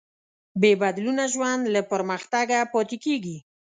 بېبدلونه ژوند له پرمختګه پاتې کېږي.